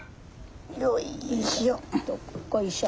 よいしょ。